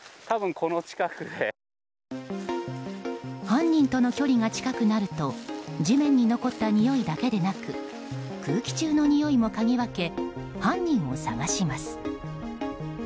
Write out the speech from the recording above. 犯人との距離が近くなると地面に残ったにおいだけでなく空気中のにおいもかぎ分け犯人を捜します。